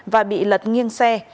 và bị lật nghiêng xe